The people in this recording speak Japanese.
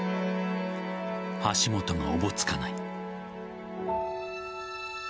足元がおぼつかない。